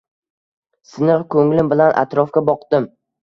Siniq ko‘nglim bilan atrofga boqdim.